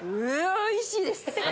おいしいです！